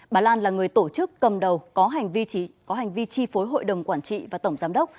bà lan là người tổ chức cầm đầu có hành vi chi phối hội đồng quản trị và tổng giám đốc